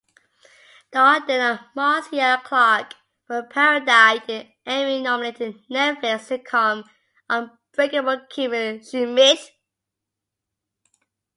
Darden and Marcia Clark were parodied in the Emmy-nominated Netflix sitcom "Unbreakable Kimmy Schmidt".